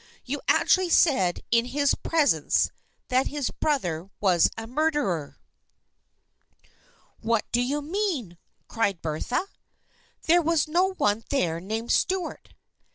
You actually said in his presence that his brother was a murderer." "What do you mean ?" cried Bertha. "There was no one there named Stuart."